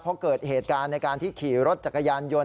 เพราะเกิดเหตุการณ์ในการที่ขี่รถจักรยานยนต์